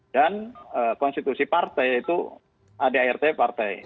dan konstitusi partai itu adrt partai